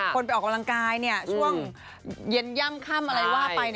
ไปออกกำลังกายช่วงเย็นย่ำค่ำอะไรว่าไป